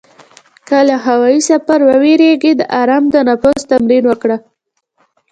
که له هوایي سفر وېرېږې، د آرام تنفس تمرین وکړه.